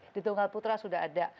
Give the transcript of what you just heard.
di tunggal putra sudah ada